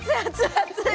熱い！